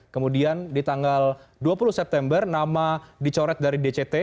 kemudian di tanggal dua puluh september nama dicoret dari dct